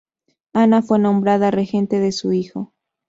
Ana fue nombrada regente de su hijo.